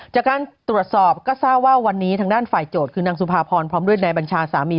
จากการตรวจสอบก็ทราบว่าวันนี้ทางด้านฝ่ายโจทย์คือนางสุภาพรพร้อมด้วยนายบัญชาสามี